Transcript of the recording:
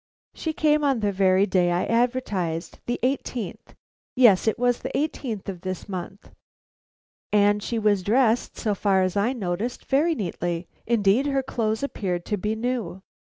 "She came on the very day I advertised; the eighteenth yes, it was the eighteenth of this month; and she was dressed, so far as I noticed, very neatly. Indeed, her clothes appeared to be new.